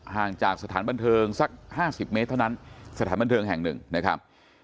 ห่างจากสถานบันเทิงสัก๕๐เมตรเท่านั้นสถานบันเทิงแห่งหนึ่งนะครับ